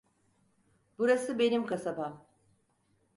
Burası benim kasabam.